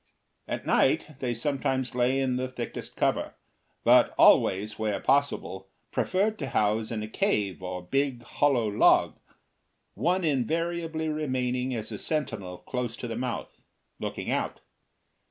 At night they sometimes lay in the thickest cover, but always, where possible, preferred to house in a cave or big hollow log, one invariably remaining as a sentinel close to the mouth, looking out.